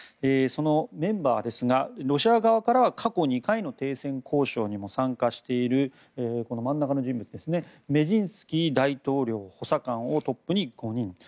そのメンバーですがロシア側からは過去２回の停戦交渉にも参加しているこの真ん中の人物メジンスキー大統領補佐官をトップに５人。